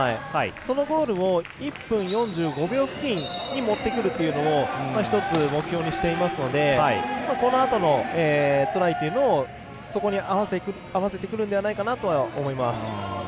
そのゴールを１分４５秒付近に持ってくるというのを１つ目標にしていますのでこのあとのトライというのもそこに合わせてくるんじゃないかなと思います。